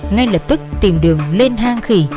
ngay lập tức tìm đường lên hang khỉ